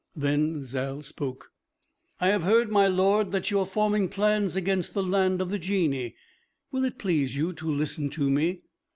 Then Zal spoke: "I have heard, my lord, that you are forming plans against the land of the Genii. Will it please you to listen to me?